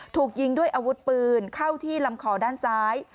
ถูกยิงด้วยอาวุธปืนเข้าที่ลำคอด้านซ้าย